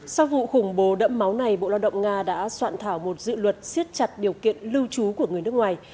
sau vụ khủng bố đẫm máu này bộ lao động nga đã soạn thảo một dự luật siết chặt điều kiện lưu trú của người nước ngoài